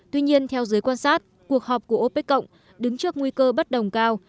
tuy nhiên theo giới quan sát cuộc họp của opec cộng đứng trước nguy cơ bất đồng cao